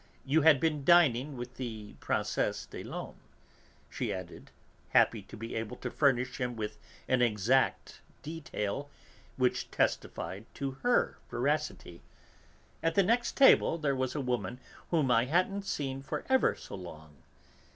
You had been dining with the Princesse des Laumes," she added, happy to be able to furnish him with an exact detail, which testified to her veracity. "At the next table there was a woman whom I hadn't seen for ever so long.